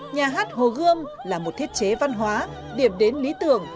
nhà hát hồ gươm là một thiết chế văn hóa điểm đến lý tưởng